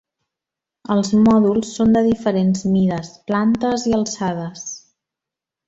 Els mòduls són de diferents mides, plantes i alçades.